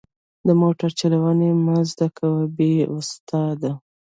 د موټر چلوونه مه زده کوه بې استاده.